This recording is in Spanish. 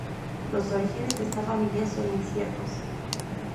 Los orígenes de esta familia son inciertos.